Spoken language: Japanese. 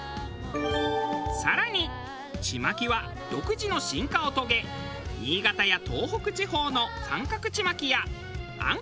更にちまきは独自の進化を遂げ新潟や東北地方の三角ちまきやあん